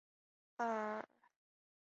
机翼结构是由内四角异型管组成。